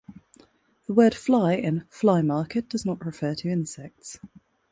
The word "Fly" in Fly Market does not refer to insects.